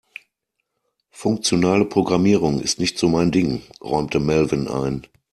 Funktionale Programmierung ist nicht so mein Ding, räumte Melvin ein.